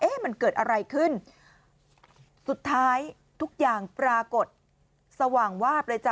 มันเกิดอะไรขึ้นสุดท้ายทุกอย่างปรากฏสว่างวาบเลยจ้